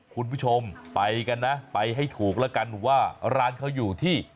คุณผู้ชมไปกันนะไปให้ถูกแล้วกันว่าร้านเขาอยู่ที่